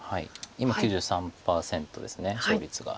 今９３％です勝率が。